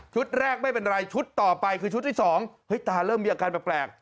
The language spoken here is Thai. แรกไม่เป็นไรชุดต่อไปคือชุดที่๒ตาเริ่มมีอาการแปลก